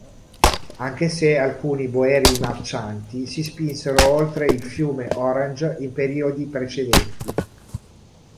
Anche se alcuni "Boeri-marcianti" si spinsero oltre il fiume Orange in periodi precedenti.